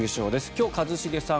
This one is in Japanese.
今日、一茂さん